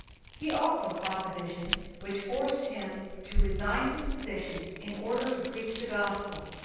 He also caught the vision which forced him to resign his position in order to preach the Gospel.